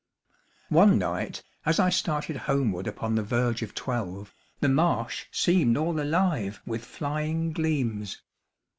One night, as I started homeward upon the verge of twelve, the marsh seemed all alive with flying gleams.